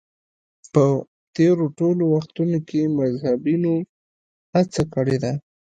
په تېرو ټولو وختونو کې مذهبیونو هڅه کړې ده